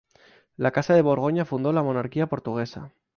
La Casa de Borgoña fundó la monarquía portuguesa.